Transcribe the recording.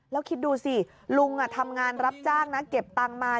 แล้วคิดดูสิลุงทำงานรับจ้างนะเก็บตังค์มา